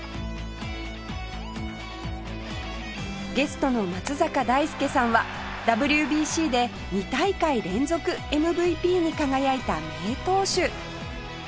ゲストの松坂大輔さんは ＷＢＣ で２大会連続 ＭＶＰ に輝いた名投手